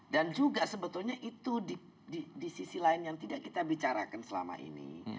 dan juga sebetulnya itu di sisi lain yang tidak kita bicarakan selama ini